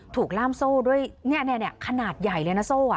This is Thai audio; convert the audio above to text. ถูกล่ามโซ่ด้วยเนี่ยขนาดใหญ่เลยนะโซ่อะ